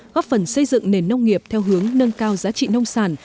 góp phần xây dựng nền nông nghiệp theo hướng nâng cao giá trị nông sản